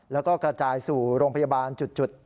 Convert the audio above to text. แล้วก็กระจายสู่โรงพยาบาลจุด